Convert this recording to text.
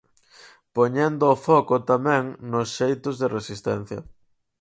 Poñendo o foco, tamén, nos xeitos de resistencia.